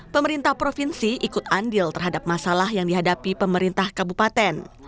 pemerintah provinsi ikut andil terhadap masalah yang dihadapi pemerintah kabupaten